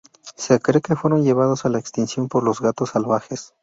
Se cree que fueron llevados a la extinción por los gatos salvajes.